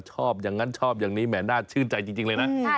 ชอบอย่างนั้นชอบอย่างนี้แหมน่าชื่นใจจริงเลยนะ